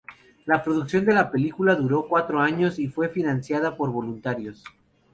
La producción de la película duró cuatro años y fue financiada por voluntarios.